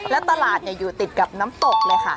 และตลาดอยู่ติดกับน้ำตกเลยค่ะ